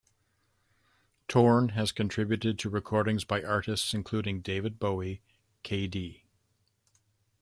Torn has contributed to recordings by artists including David Bowie, k.d.